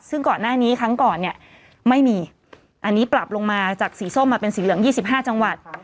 ซึ่งก่อนหน้านี้ครั้งก่อนเนี่ยไม่มีอันนี้ปรับลงมาจากสีส้มมาเป็นสีเหลือง๒๕จังหวัด